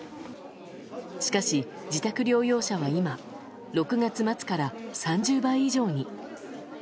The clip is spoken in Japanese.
しかし、自宅療養者は今６月末から３０倍以上に。